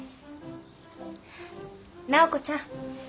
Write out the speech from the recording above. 直子ちゃん。